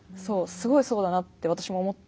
すごいそうだなって私も思ってて。